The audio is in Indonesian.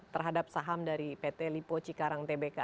terhadap saham dari pt lipo cikarang tbk